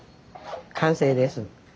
完成です。